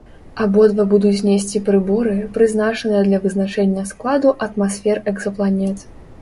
Абодва будуць несці прыборы, прызначаныя для вызначэння складу атмасфер экзапланет.